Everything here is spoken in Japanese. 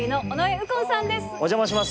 お邪魔します。